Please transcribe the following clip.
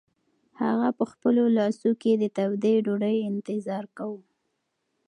هغه په خپلو لاسو کې د تودې ډوډۍ انتظار کاوه.